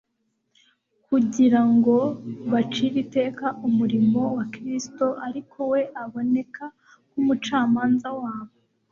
kugira ngo bacire iteka umurimo wa Kristo ariko we aboneka nk'umucamanza wabo